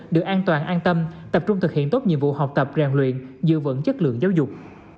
được an toàn an tâm tập trung thực hiện tốt nhiệm vụ học tập rèn luyện giữ vững chất lượng giáo dục